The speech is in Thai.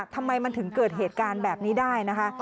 ทำไมมันถึงเกิดเหตุการณ์แบบนี้ได้นะคะ